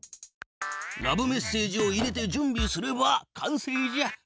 ラブメッセージを入れてじゅんびすれば完成じゃ。